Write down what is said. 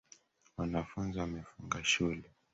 Wanafunzi wamefunga shule.